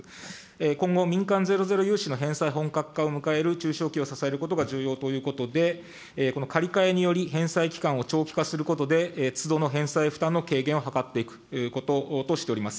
今後、民間ゼロゼロ融資の返済本格化を迎える中小企業を支えることが重要ということで、この借り換えにより返済期間を長期化することでつどの返済負担の軽減を図っていくということとしております。